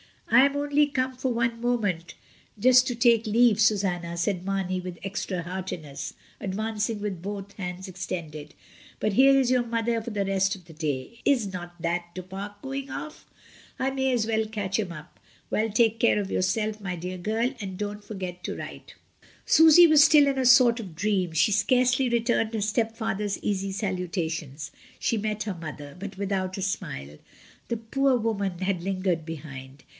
"I am only come, for one moment, just to take 142 MRS. DYMOND. leave, Susanna," said Mamey, with extra heartiness, advancing with both hands extended; "but here is your mother for the rest of the day. Is not that Du Pare going off? I may as well catch him up. Well, take care of yourself, my dear girl, and don't forget to write." Susy was still in a sort of dream; she scarcely retimied her stepfather's easy salutations. She met her mother, but without a smile. The poor woman had lingered behind.